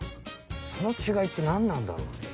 その違いってなんなんだろうね？